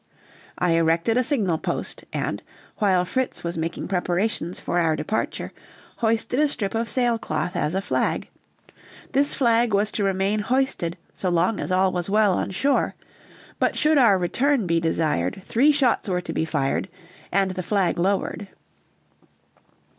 I erected a signal post, and, while Fritz was making preparations for our departure, hoisted a strip of sailcloth as a flag; this flag was to remain hoisted so long as all was well on shore, but should our return be desired, three shots were to be fired and the flag lowered.